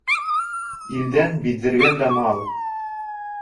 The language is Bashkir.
Илдән биҙҙергән дә мал